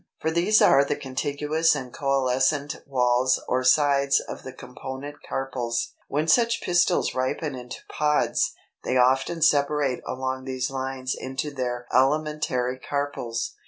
For these are the contiguous and coalescent walls or sides of the component carpels. When such pistils ripen into pods, they often separate along these lines into their elementary carpels.